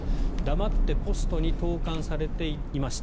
黙ってポストに投函されていました。